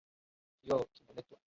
Kioo kimeletwa.